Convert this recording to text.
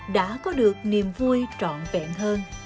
đã có được niềm vui trọn vẹn hơn